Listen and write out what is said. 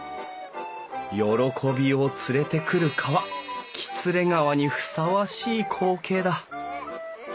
喜びを連れてくる川喜連川にふさわしい光景だ